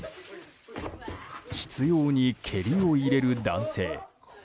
執拗に蹴りを入れる男性。